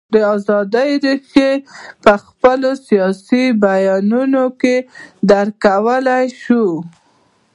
د ازادیو رېښه په خپلو سیاسي بیانیو کې درک کولای شو.